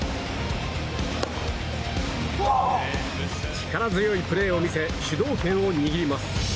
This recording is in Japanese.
力強いプレーを見せ主導権を握ります。